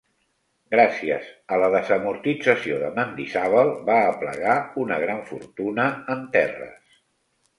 Gràcies a la desamortització de Mendizábal va aplegar una gran fortuna en terres.